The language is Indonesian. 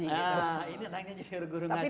ini anaknya jadi guru ngaji